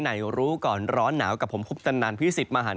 ใหนรู้ก่อนร้อนหนาวกับผมคุบศัลนานพิสิทธิ์มาหั่น